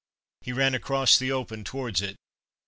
He ran across the open towards it.